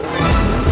masih lu nunggu